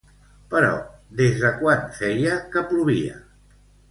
Però des de quan feia que plovia?